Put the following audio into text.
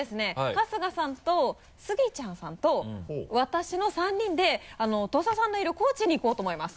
春日さんとスギちゃんさんと私の３人で土佐さんのいる高知に行こうと思います。